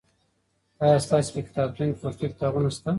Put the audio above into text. آیا ستاسې په کتابتون کې پښتو کتابونه سته؟